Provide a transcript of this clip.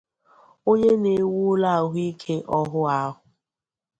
onye na-ewu ụlọ ahụike ọhụụ ahụ